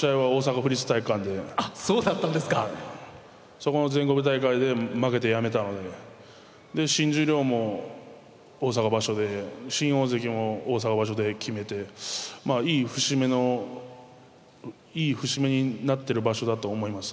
そこの全国大会で負けてやめたので新十両も大阪場所で新大関も大阪場所で決めていい節目のいい節目になってる場所だと思います。